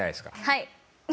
はい。